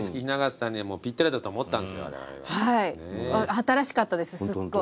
新しかったですすっごい。